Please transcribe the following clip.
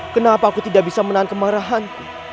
kenapa aku tidak bisa menahan kemarahan